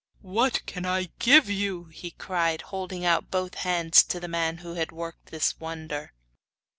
'What can I give you?' he cried, holding out both hands to the man who had worked this wonder.